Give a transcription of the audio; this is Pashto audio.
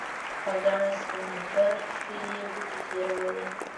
په گڼه سپينه ږيره کښې يې گوتې تېرولې.